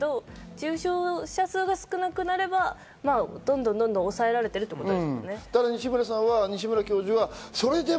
重症者数が少なくなれば、どんどん抑えられてるってことですよね。